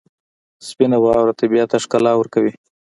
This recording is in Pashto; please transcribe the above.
سپینه واوره طبیعت ته ښکلا ورکوي.